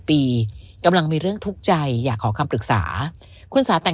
ปีกำลังมีเรื่องทุกข์ใจอยากขอคำปรึกษาคุณสาแต่ง